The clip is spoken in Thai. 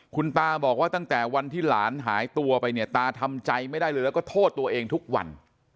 คุณตาบอกว่าตั้งแต่วันที่หลานหายตัวไปเนี่ยตาทำใจไม่ได้เลยแล้วก็โทษตัวเองทุกวัน